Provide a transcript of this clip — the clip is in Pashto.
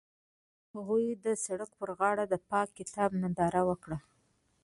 هغوی د سړک پر غاړه د پاک کتاب ننداره وکړه.